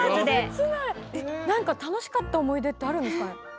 何か楽しかった思い出ってあるんですかね。